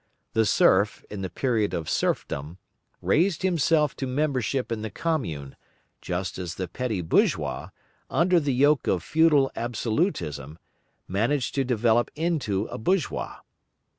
The serf, in the period of serfdom, raised himself to membership in the commune, just as the petty bourgeois, under the yoke of feudal absolutism, managed to develop into a bourgeois.